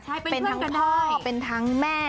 ใช่เป็นเพื่อนกันได้เป็นทั้งพ่อเป็นทั้งแม่